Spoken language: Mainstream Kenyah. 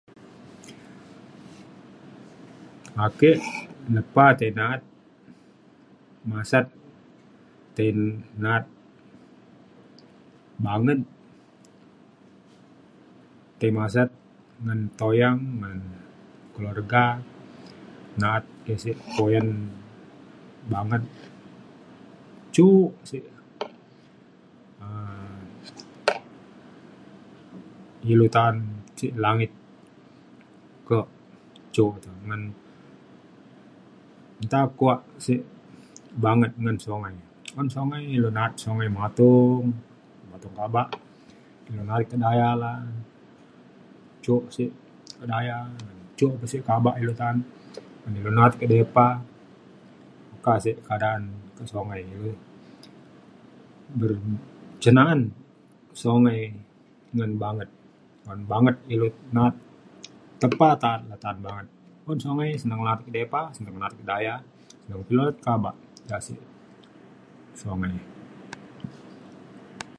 Ake lepa tai na’at masat tai na’at banget tai masat ngan tuyang ngan keluarga na’at ja sek puyan banget jok sek um ilu ta’an cek langit kok jok te ngan nta kuak sek banget ngan sungai. Un sungai ilu na’at sungai matong matong kabak ilu nai kedaya la’a jok sek kedaya ngan jok pa sek kaba ilu ta’an ngan ilu na’at ke depa meka sek keadaan kak sungai. Ber- cin na’an sungai ngan banget. Ngan banget ilu na’at tepa ta’at le te na’at banget. Un sungai senang na’at ke depa senang na’at kedaya senang kediut kaba ja sek sungai.